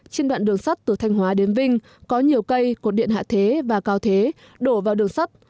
trên đoạn đường sắt từ thanh hóa đến vinh có nhiều cây cột điện hạ thế và cao thế đổ vào đường sắt